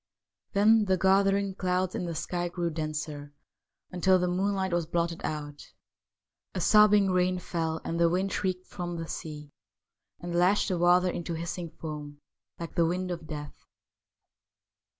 Then the gathering clouds in the sky grew denser, until the moon light was blotted out. A sobbing rain fell, and the wind shrieked from the sea and lashed the water into hissing foam, like the wind of death.